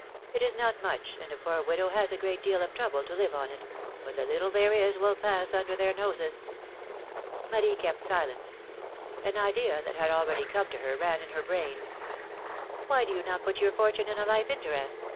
It is not much, and a poor widow has a great deal of trouble to live on it, but the little there is will pass under their noses ! Marie kept silence. An idea that had already come to her ran in her brain. Why do you not put your fortune in a life interest?